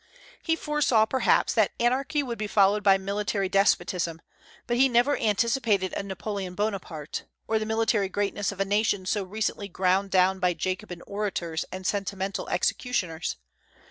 He foresaw, perhaps, that anarchy would be followed by military despotism; but he never anticipated a Napoleon Bonaparte, or the military greatness of a nation so recently ground down by Jacobin orators and sentimental executioners.